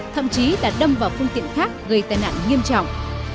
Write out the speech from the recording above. thậm chí là đâm vào phương tiện khác gây tai nạn nghiêm trọng